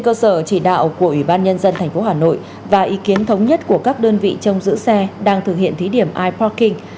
cơ sở chỉ đạo của ủy ban nhân dân tp hà nội và ý kiến thống nhất của các đơn vị trong giữ xe đang thực hiện thí điểm iporking